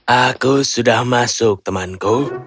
aku sudah masuk temanku